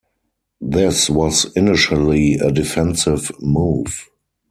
This was initially a defensive move.